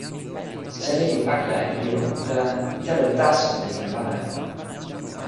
seli li pakala e ijo, la telo taso li ken pana e pona.